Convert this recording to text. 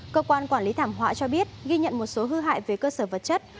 cơ quan quản lý thảm họa cho biết ghi nhận một số hư hại về cơ sở vật chất